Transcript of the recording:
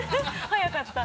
早かった。